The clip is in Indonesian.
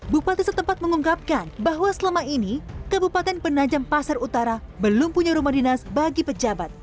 bupati setempat mengungkapkan bahwa selama ini kabupaten penajam pasar utara belum punya rumah dinas bagi pejabat